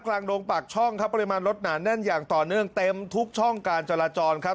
โรงปากช่องครับปริมาณรถหนาแน่นอย่างต่อเนื่องเต็มทุกช่องการจราจรครับ